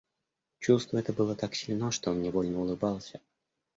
Чувство это было так сильно, что он невольно улыбался.